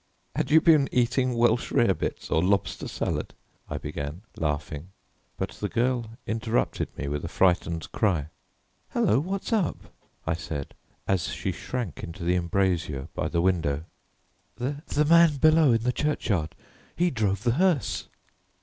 "Had you been eating Welsh rarebits, or lobster salad?" I began, laughing, but the girl interrupted me with a frightened cry. "Hello! What's up?" I said, as she shrank into the embrasure by the window. "The the man below in the churchyard; he drove the hearse."